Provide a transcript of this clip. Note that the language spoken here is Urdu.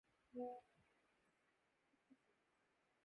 نہ کبھی جنازہ اٹھتا نہ کہیں مزار ہوتا